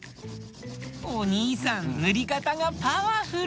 おにいさんぬりかたがパワフル！